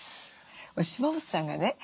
島本さんがね